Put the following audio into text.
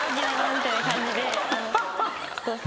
みたいな感じで。